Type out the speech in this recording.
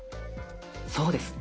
そうです。